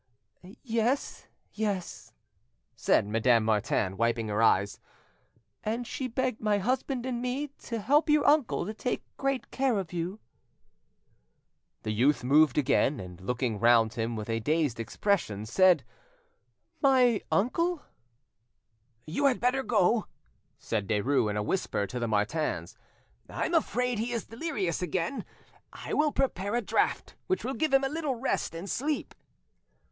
"Yes, yes," said Madame Martin, wiping her eyes; "and she begged my husband and me to help your uncle to take great care of you—" The youth moved again, and looking round him with a dazed expression, said, "My uncle—?" "You had better go," said Derues in a whisper to the Martins. "I am afraid he is delirious again; I will prepare a draught, which will give him a little rest and sleep."